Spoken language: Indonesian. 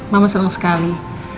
mama seneng sekali